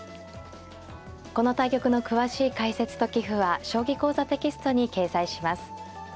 この対局の詳しい解説と棋譜は「将棋講座」テキストに掲載します。